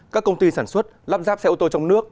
các công ty sản xuất lắp ráp xe ô tô trong nước